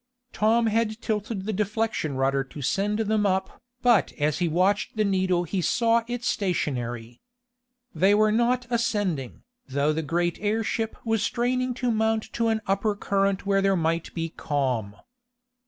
Tom had tilted the deflection rudder to send them up, but as he watched the needle he saw it stationary. They were not ascending, though the great airship was straining to mount to an upper current where there might be calm.